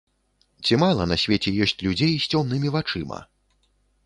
Ці мала на свеце ёсць людзей з цёмнымі вачыма?